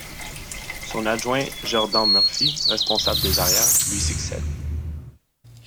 Son adjoint Geordan Murphy, responsable des arrières, lui succède.